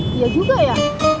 dia juga ya